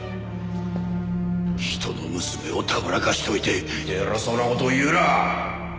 ひとの娘をたぶらかしておいて偉そうな事を言うな！